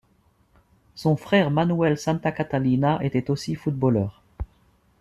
Son frère Manuel Santacatalina était aussi footballeur.